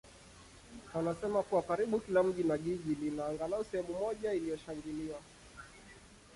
anasema kuwa karibu kila mji na jiji lina angalau sehemu moja iliyoshangiliwa.